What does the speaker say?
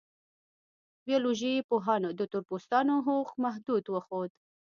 بیولوژي پوهانو د تور پوستانو هوښ محدود وښود.